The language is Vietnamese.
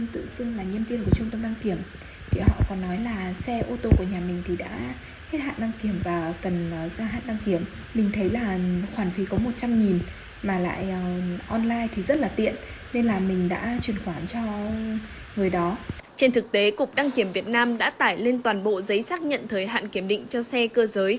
trên thực tế cục đăng kiểm việt nam đã tải lên toàn bộ giấy xác nhận thời hạn kiểm định cho xe cơ giới